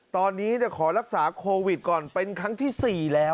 ตอนนี้ขอรักษาโควิดก่อนเป็นครั้งที่๔แล้ว